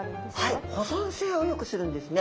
はい保存性をよくするんですね。